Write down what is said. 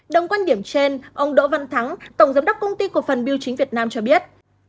đồng quan điểm trên ông đỗ văn thắng tổng giám đốc công ty cổ phần biêu chính việt nam cho biết